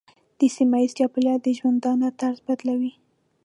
د سیمې چاپېریال د ژوندانه طرز بدلوي.